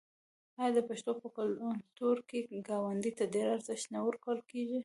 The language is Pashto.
آیا د پښتنو په کلتور کې ګاونډي ته ډیر ارزښت نه ورکول کیږي؟